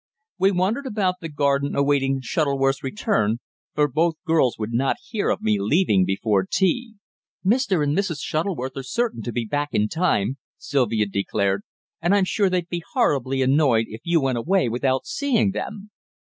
We wandered about the garden awaiting Shuttleworth's return, for both girls would not hear of me leaving before tea. "Mr. and Mrs. Shuttleworth are certain to be back in time," Sylvia declared, "and I'm sure they'd be horribly annoyed if you went away without seeing them."